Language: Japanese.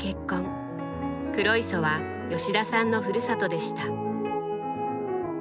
黒磯は吉田さんのふるさとでした。